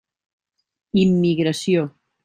Immigració.